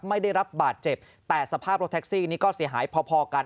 ไม่ได้รับบาดเจ็บแต่สภาพรถแท็กซี่นี่ก็เสียหายพอพอกัน